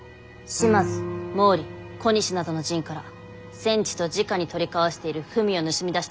島津毛利小西などの陣から戦地とじかに取り交わしている文を盗み出してきました。